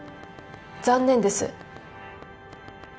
残念です。